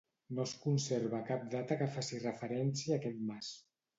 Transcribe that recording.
No es conserva cap data que faci referència a aquest mas.